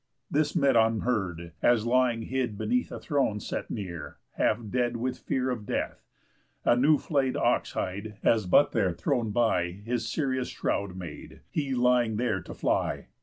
This Medon heard, as lying hid beneath A throne set near, half dead with fear of death; A new flay'd ox hide, as but there thrown by, His serious shroud made, he lying there to fly.